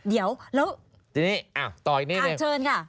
เดี๋ยวต่ออีกนิดหนึ่ง